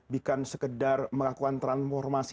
bukan sekedar melakukan transformasi